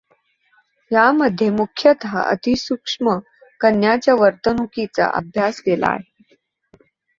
यामध्ये मुख्यतः अतिसूक्ष्म कणांच्या वर्तणुकीचा अभ्यास केला जातो.